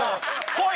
来い！